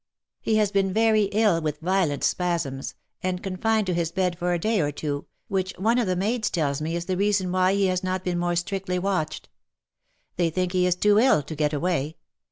He has been very ill with violent spasms, and confined to his bed for a day or two, which one of the maids tells me is the reason why he has not been more strictly watched. They think he is too ill to get away.